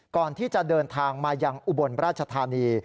ก่อนที่จะเดินทางมายังอุบลราชธานี